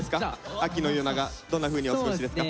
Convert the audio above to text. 秋の夜長どんなふうにお過ごしですか？